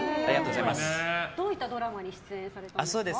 どういったドラマに出演されてるんですか。